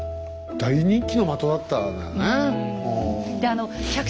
大人気の的だったんだね。